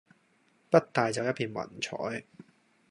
不帶走一片雲彩